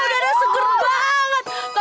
gila udara seger banget